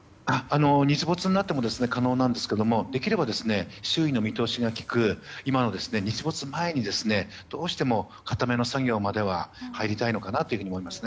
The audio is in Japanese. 日没になっても可能なんですけどできれば、周囲の見通しがきく今の日没前にどうしても固めの作業前は入りたいのかなと思います。